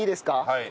はい。